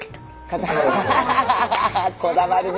こだわるね。